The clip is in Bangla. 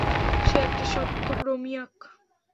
সে একটা সত্যরোমিয়াক।